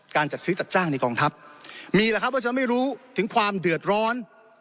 จัดซื้อจัดจ้างในกองทัพมีแหละครับว่าจะไม่รู้ถึงความเดือดร้อน